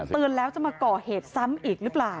เตือนแล้วจะมาก่อเหตุซ้ำอีกหรือเปล่า